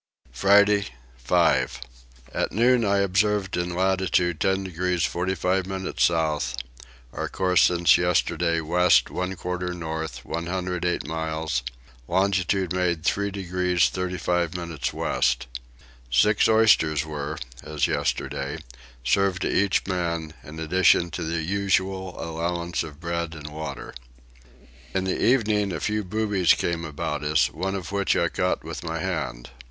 Friday 5. At noon I observed in latitude 10 degrees 45 minutes south; our course since yesterday west one quarter north, 108 miles; longitude made 3 degrees 35 minutes west. Six oysters were, as yesterday, served to each man, in addition to the usual allowance of bread and water. In the evening a few boobies came about us, one of which I caught with my hand.